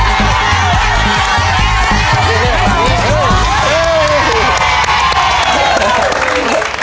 ต้องดึงออกมาก่อนนะนี่แล้วมันจะหยุด